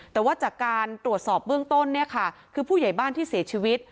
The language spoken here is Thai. แต่ว่าจากการตรวจสอบเบื้องต้นเนี่ยค่ะคือผู้ใหญ่บ้านที่เสียชีวิต